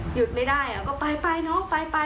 หยุดไม่ได้แล้วก็ไปน้องไป